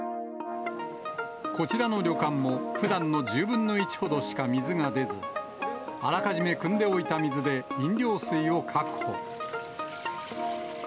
こちらの旅館もふだんの１０分の１ほどしか水が出ず、あらかじめくんでおいた水で飲料水を確保。